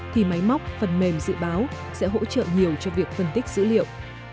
thì máy móc phần mềm dự báo sẽ hỗ trợ nhiều cho việc phân tích dữ liệu